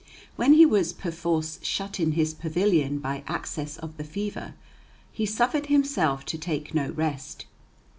When he was perforce shut in his pavilion by access of the fever, he suffered himself to take no rest.